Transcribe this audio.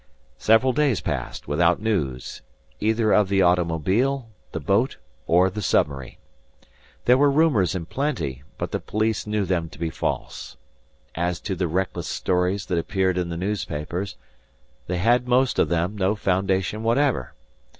Several days passed, without news, either of the automobile, the boat, or the submarine. There were rumors in plenty; but the police knew them to be false. As to the reckless stories that appeared in the newspapers, they had most of them, no foundation whatever.